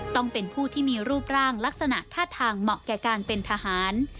ต้องเป็นผู้ที่มีรูปร่างลักษณะท่าทางเหมาะแก่การเป็นทหาร